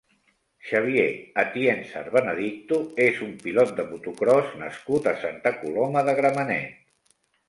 Xavier Atienzar Benedicto és un pilot de motocròs nascut a Santa Coloma de Gramenet.